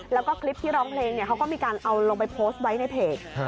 แล้วก็คลิปที่ร้องเพลงเขาก็มีการเอาลงไปโพสต์ไว้ในเพจ